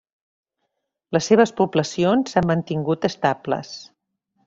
Les seves poblacions s'han mantingut estables.